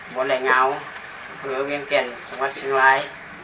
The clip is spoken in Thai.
บนไหล่เหงาเผื่อเวียงเก่นสังวัตรชิงร้าย